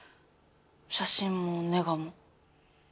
写真もネガも。